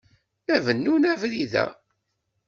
La bennun abrid-a.